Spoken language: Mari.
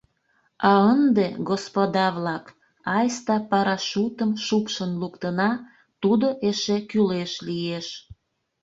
А ынде, господа-влак, айста парашютым шупшын луктына, тудо эше кӱлеш лиеш.